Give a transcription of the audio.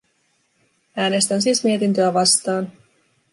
Äänestän siis mietintöä vastaan.